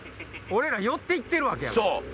俺ら寄って行ってるわけやから。